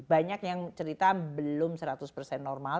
banyak yang cerita belum seratus persen normal